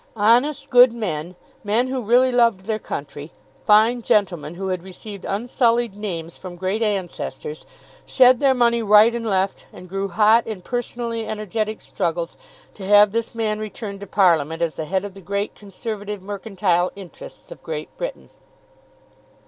Honest good men, men who really loved their country, fine gentlemen, who had received unsullied names from great ancestors, shed their money right and left, and grew hot in personally energetic struggles to have this man returned to Parliament as the head of the great Conservative mercantile interests of Great Britain!